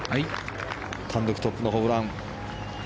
単独トップのホブラン。